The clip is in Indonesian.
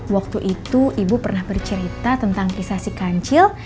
waktu itu ibu pernah bercerita tentang kisah si kancil